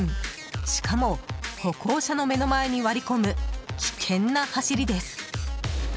しかも歩行者の目に前に割り込む危険な走りです。